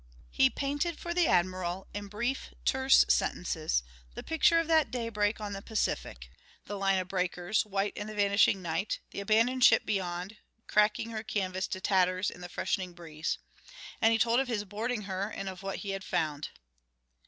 He painted for the Admiral in brief, terse sentences the picture of that daybreak on the Pacific, the line of breakers, white in the vanishing night, the abandoned ship beyond, cracking her canvas to tatters in the freshening breeze. And he told of his boarding her and of what he had found.